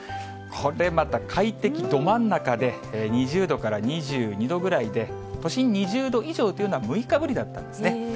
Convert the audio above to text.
これまた快適ど真ん中で、２０度から２２度ぐらいで、都心２０度以上というのは６日ぶりだったんですね。